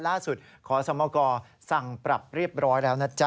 ขอสมกสั่งปรับเรียบร้อยแล้วนะจ๊ะ